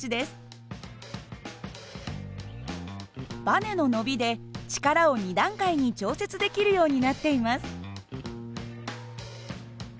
バネの伸びで力を２段階に調節できるようになっています。